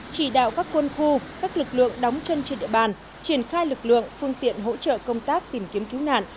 chỉ đạo các quân khu các lực lượng đóng chân trên địa bàn triển khai lực lượng phương tiện hỗ trợ công tác tìm kiếm cứu nạn